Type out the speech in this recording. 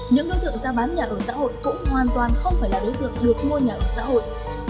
những đối tượng ra bán nhà ở xã hội cũng hoàn toàn không phải là đối tượng được mua nhà ở xã hội